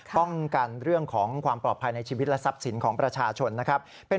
ป้องกันเรื่องของความปลอดภัยในชีวิตและทรัพย์สินของประชาชนนะครับ